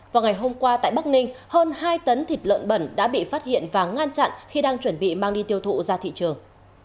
vào ngày hôm qua tại bắc ninh hơn hai tấn thịt lợn bẩn đã bị phát hiện và ngăn chặn khi đang chuẩn bị mang đi tiêu thụ ra thị trường